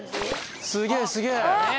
すげえすげえ！